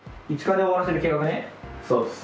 そうっす。